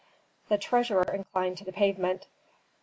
The treasurer inclined to the pavement.